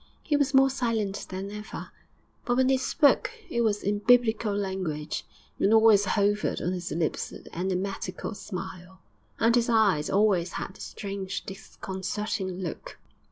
He was more silent than ever, but when he spoke it was in biblical language; and always hovered on his lips the enigmatical smile, and his eyes always had the strange, disconcerting look.